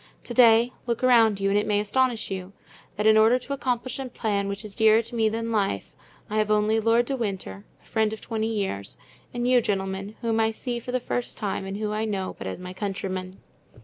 To day, look around you, and it may astonish you, that in order to accomplish a plan which is dearer to me than life I have only Lord de Winter, the friend of twenty years, and you, gentlemen, whom I see for the first time and whom I know but as my countrymen."